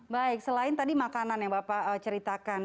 baik selain tadi makanan yang bapak ceritakan